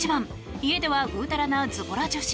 家ではぐうたらなズボラ女子。